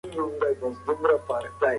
کتاب تل له انسان سره دی.